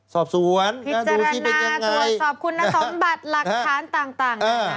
สอบสวนดูที่เป็นยังไงพิจารณาตัวสอบคุณสมบัติหลักฐานต่างนะคะ